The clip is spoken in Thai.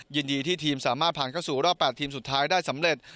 ยินดีที่ทีมสามารถผ่านเข้าสู่รอบ๘ทีมสุดท้ายได้สำเร็จ